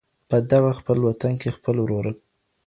په دغه خپل وطن كي خپل ورورك